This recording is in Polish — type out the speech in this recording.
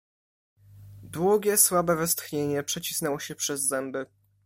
"Długie, słabe westchnienie przecisnęło się przez zęby."